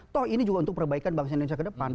toh ini juga untuk perbaikan bangsa indonesia ke depan